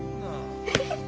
フフフッ。